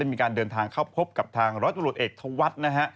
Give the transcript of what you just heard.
ได้มีการเดินทางเข้าพบกับทางรจบรุษเอกธวรรษ